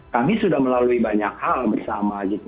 kami sudah melalui banyak hal bersama gitu